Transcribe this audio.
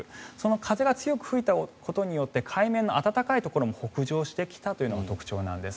風が強く吹いたことによって海面の暖かいところも北上してきたというのが特徴なんです。